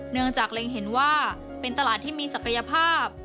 เนื่องจากเล็งเห็นว่าเป็นตลาดที่มีศักยภาพ